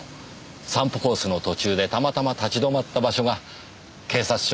散歩コースの途中でたまたま立ち止まった場所が警察署の前でしたか？